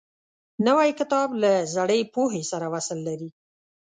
نوی کتاب له زړې پوهې سره وصل لري